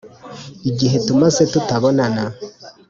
igihe tumaze tutabonana